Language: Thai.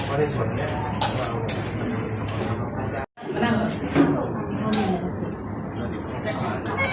อันที่สุดท้ายก็คืออันที่สุดท้ายก็คืออั